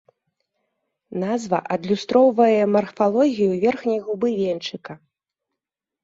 Назва адлюстроўвае марфалогію верхняй губы венчыка.